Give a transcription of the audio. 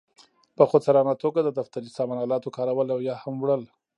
په خودسرانه توګه د دفتري سامان آلاتو کارول او یا هم وړل.